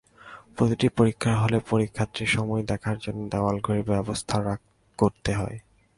প্রতিটি পরীক্ষার হলে পরীক্ষার্থীর সময় দেখার জন্য দেয়ালঘড়ির ব্যবস্থা করতে হবে।